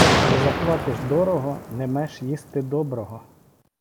Не заплатиш дорого, не меш їсти доброго.